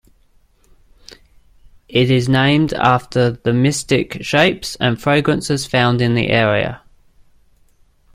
It is named after the mystic shapes and fragrances found in the area.